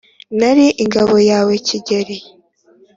nari ingabo yawe kigeli,